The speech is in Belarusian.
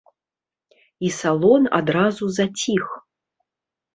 І салон адразу заціх.